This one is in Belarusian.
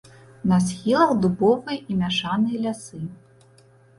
На схілах дубовыя і мяшаныя лясы.